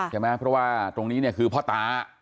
ใช่ไหมเพราะว่าตรงนี้เนี่ยคือพ่อตา